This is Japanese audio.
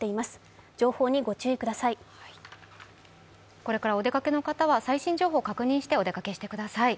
これからお出かけの方は最新情報を確認してお出かけください。